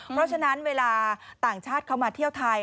เพราะฉะนั้นเวลาต่างชาติเขามาเที่ยวไทย